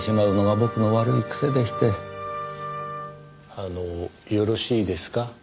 あのよろしいですか？